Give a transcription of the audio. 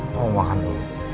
aku mau makan dulu